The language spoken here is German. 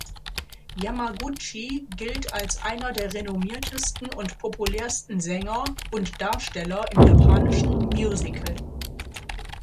Yamaguchi gilt als einer der renommiertesten und populärsten Sänger und Darsteller im japanischen Musical.